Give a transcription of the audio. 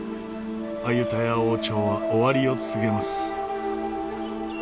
アユタヤ王朝は終わりを告げます。